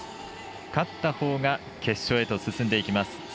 勝ったほうが決勝へと進んでいきます。